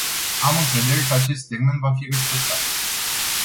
Am încredere că acest termen va fi respectat.